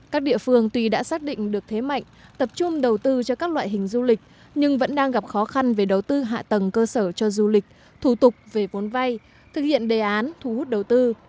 các địa phương tuy đã xác định được thế mạnh tập trung đầu tư cho các loại hình du lịch nhưng vẫn đang gặp khó khăn về đầu tư hạ tầng cơ sở cho du lịch thủ tục về vốn vay thực hiện đề án thu hút đầu tư